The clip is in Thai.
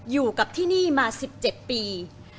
อยู่กับที่นี่มา๑๗ปี